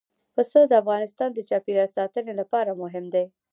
پسه د افغانستان د چاپیریال ساتنې لپاره مهم دي.